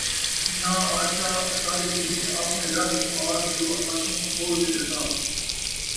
اُنھاں آکھیا ، اَساݙے کِیتے آپڑیں رَبّ کوں آکھ جو اَساکوں کھول تے ݙسا،